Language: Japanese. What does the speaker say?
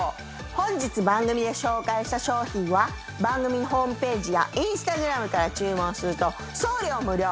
本日番組で紹介した商品は番組ホームページやインスタグラムから注文すると送料無料。